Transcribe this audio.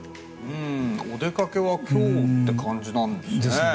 お出かけは今日って感じなんですね。